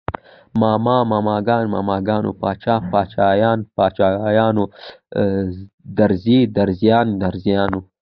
ماما، ماماګان، ماماګانو، باچا، باچايان، باچايانو، درزي، درزيان، درزیانو